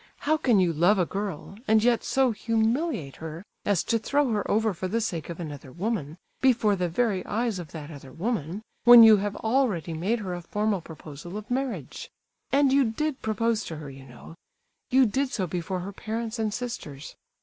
How can you love a girl, and yet so humiliate her as to throw her over for the sake of another woman, before the very eyes of that other woman, when you have already made her a formal proposal of marriage? And you did propose to her, you know; you did so before her parents and sisters.